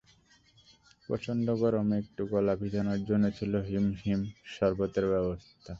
প্রচণ্ড গরমে একটু গলা ভেজানোর জন্য ছিল হিম হিম শরবতের ব্যবস্থা।